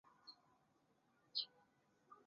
符号货币的发行无须黄金保证。